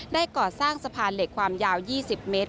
ก่อสร้างสะพานเหล็กความยาว๒๐เมตร